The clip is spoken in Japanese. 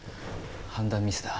判断ミスだ。